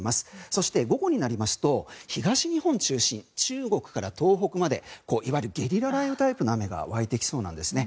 そして、午後になると東日本中心中国から東北までいわゆるゲリラ雷雨タイプの雨が湧いてきそうなんですね。